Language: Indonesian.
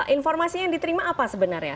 informasi yang diterima apa sebenarnya